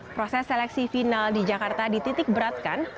proses seleksi final di jakarta dititikberatkan